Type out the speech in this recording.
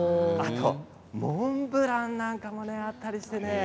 モンブランなんかもあったりしてね